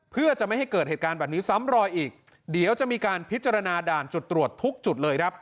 เพื่อจะไม่ให้เกิดเหตุการณ์แบบนี้ซ้ำรอยอีกเดี๋ยวจะมีการพิจารณาด่านจุดตรวจทุกจุดเลยครับ